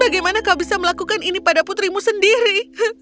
bagaimana kau bisa melakukan ini pada putrimu sendiri